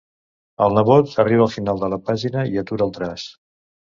El nebot arriba al final de la pàgina i atura el traç.